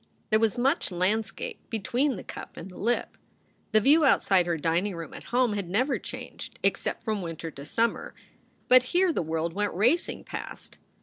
There was much landscape between the cup and the lip. The view outside her dining room at home had never changed except from winter to summer. But here the world went racing past.